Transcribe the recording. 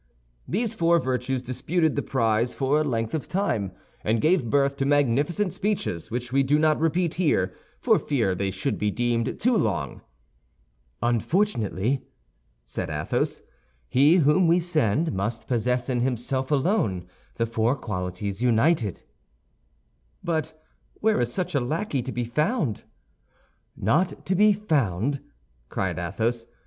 These four virtues disputed the prize for a length of time, and gave birth to magnificent speeches which we do not repeat here for fear they should be deemed too long. "Unfortunately," said Athos, "he whom we send must possess in himself alone the four qualities united." "But where is such a lackey to be found?" "Not to be found!" cried Athos.